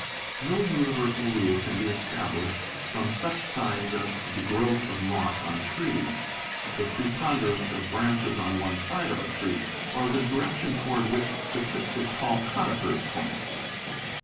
No universal rule can be established from such signs as the growth of moss on trees, the preponderance of branches on one side of a tree, or the direction toward which the tips of tall conifers point.